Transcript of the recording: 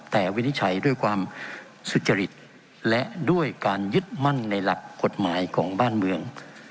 แต่วินิจฉัยด้วยความสุจริตและด้วยการยึดมั่นในหลักกฎหมายของบ้านเมือง